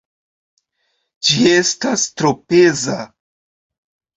Ĝi estas tro peza.